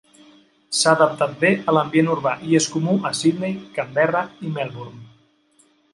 S'ha adaptat bé a l'ambient urbà i és comú a Sydney, Canberra i Melbourne.